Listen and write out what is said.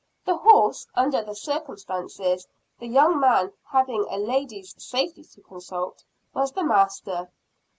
The horse, under the circumstances, the young man having a lady's safety to consult, was the master.